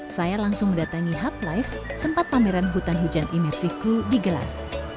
saya langsung mendatangi hub life tempat pameran hutan hujan imexifku di gelar